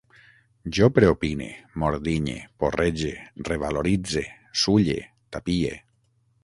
Jo preopine, mordinye, porrege, revaloritze, sulle, tapie